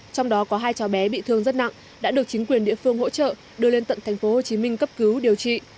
trong đó có hai cháu bé bị thương rất nặng đã được chính quyền địa phương hỗ trợ đưa lên tận tp hcm cấp cứu điều trị